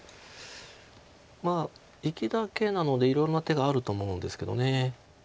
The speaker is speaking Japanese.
まあ生きだけなのでいろんな手があると思うんですけど。